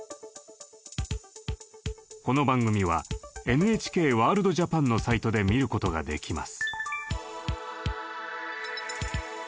この番組は「ＮＨＫワールドＪＡＰＡＮ」のサイトで見ることができます。